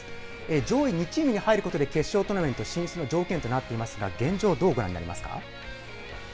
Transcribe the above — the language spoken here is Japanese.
上位２チームに入ることで決勝トーナメント進出の条件となっていますが、現状、どうご覧になりますか。